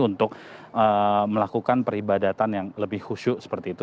untuk melakukan peribadatan yang lebih khusyuk seperti itu